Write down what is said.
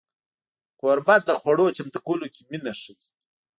کوربه د خوړو چمتو کولو کې مینه ښيي.